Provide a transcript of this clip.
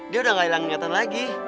dia udah gak hilang ingatan lagi